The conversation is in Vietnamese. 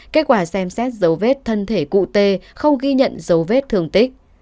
kết quả xem xét dấu vết thân thể cụ t không ghi nhận dấu vết thường tích